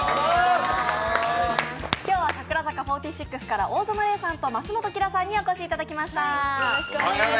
今日は櫻坂４６から大園玲さんと増本綺良さんにお越しいただきました。